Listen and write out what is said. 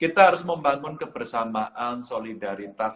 kita harus membangun kebersamaan solidaritas